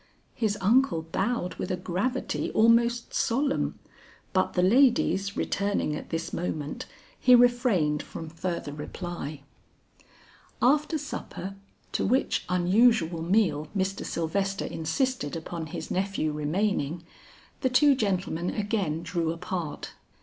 His uncle bowed with a gravity almost solemn, but the ladies returning at this moment, he refrained from further reply. After supper, to which unusual meal Mr. Sylvester insisted upon his nephew remaining, the two gentlemen again drew apart.